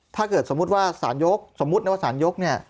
ถ้าสมมุติว่าศูนย์ยกน้องศูนย์ยกเนี่ย